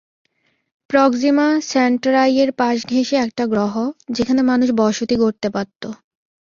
Proxima সেন্টরাইয়ের পাশ ঘেঁষে একটা গ্রহ, যেখানে মানুষ বসতি গড়তে পারত।